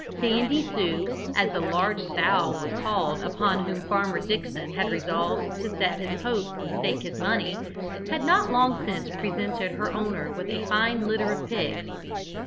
"Sandy Sue," as the large sow was called upon whom Farmer Dickson had resolved to set his hopes and stake his money, had not long since presented her owner with a fine litter of pigs.